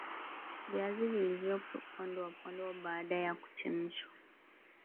viazi vilivyopondwa pondwa baada ya kuchemshwa